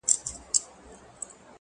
په ځان غټ یمه غښتلی تر هر چا یم.!